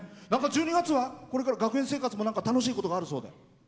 １２月はこれから学園生活も何か楽しいことがあるそうで。